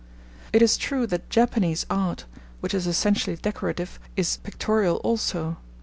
It is true that Japanese art, which is essentially decorative, is pictorial also.